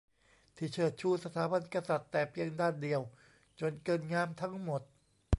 ที่เชิดชูสถาบันกษัตริย์แต่เพียงด้านเดียวจนเกินงามทั้งหมด